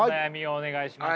お願いします。